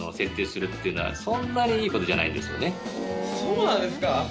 そうなんですか。